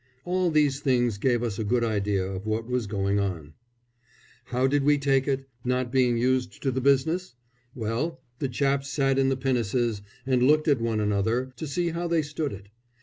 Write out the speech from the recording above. All these things gave us a good idea of what was going on. How did we take it, not being used to the business? Well, the chaps sat in the pinnaces and looked at one another, to see how they stood it.